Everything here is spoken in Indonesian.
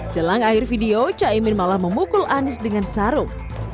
jelang akhir video chaimin malah memukul anis dengan sarung